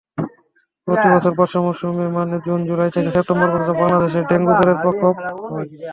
প্রতিবছর বর্ষা মৌসুমে, মানে জুন-জুলাই থেকে সেপ্টেম্বর পর্যন্ত, বাংলাদেশে ডেঙ্গুজ্বরের প্রকোপ হয়।